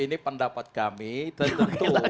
ini pendapat kami tentu